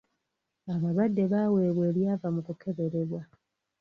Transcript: Abalwadde baaweebwa ebyava mu kukeberebwa.